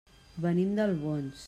Venim d'Albons.